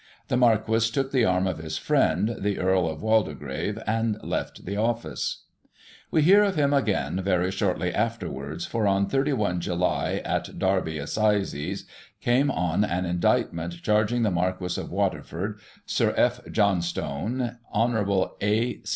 The Marquis took the arm of his friend, the Earl of Walde grave, and left the office. We hear of him again very shortly afterwards, for on 31 July, at Derby assizes, came on an indictment charging the Marquis of Waterford, Sir F. Johnstone, Hon. A.